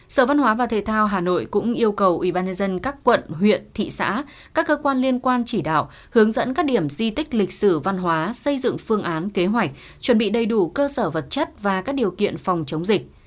sở văn hóa và thể thao hà nội cũng yêu cầu ubnd các quận huyện thị xã các cơ quan liên quan chỉ đạo hướng dẫn các điểm di tích lịch sử văn hóa xây dựng phương án kế hoạch chuẩn bị đầy đủ cơ sở vật chất và các điều kiện phòng chống dịch